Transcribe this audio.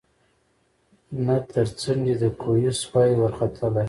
نه تر څنډی د کوهي سوای ورختلای